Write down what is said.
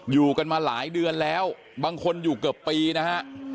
อยู่กันมาหลายเดือนแล้วบางคนอยู่เกือบปีนะฮะ